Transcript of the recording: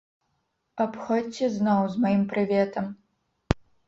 Абходзьце зноў з маім прыветам.